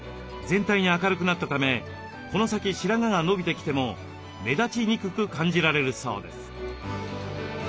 全体に明るくなったためこの先白髪が伸びてきても目立ちにくく感じられるそうです。